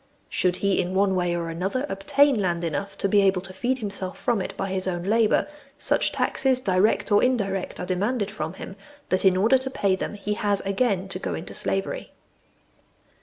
Should he, in one way or other, obtain land enough to be able to feed himself from it by his own labour, such taxes, direct or indirect, are demanded from him, that in order to pay them he has again to go into slavery.